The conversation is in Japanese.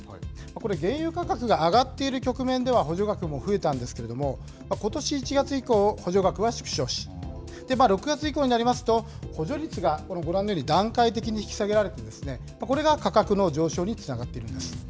これ、原油価格が上がっている局面では補助額も増えたんですけれども、ことし１月以降、補助額は縮小し、６月以降になりますと、補助率がご覧のように、段階的に引き下げられて、これが価格の上昇につながっているんです。